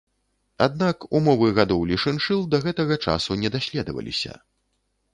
Аднак умовы гадоўлі шыншыл да гэтага часу не даследаваліся.